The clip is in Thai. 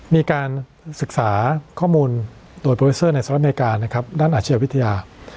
มีการศึกษาข้อมูลโดยโปรดิเซอร์ในสหรัฐอเมริกานะครับด้านอาชียวิทยา